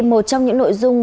một trong những nội dung